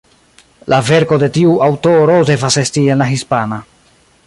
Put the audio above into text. La verko de tiu aŭtoro devas esti en la hispana.